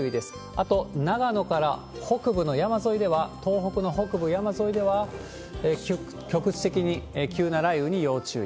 あと、長野から北部の山沿いでは、東北の北部、山沿いでは局地的に急な雷雨に要注意。